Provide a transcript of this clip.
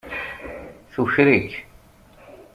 Tuker-ik.